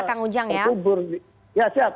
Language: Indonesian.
kang ujang berkubur ya siap